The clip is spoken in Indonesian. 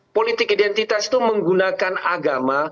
politik identitas itu menggunakan agama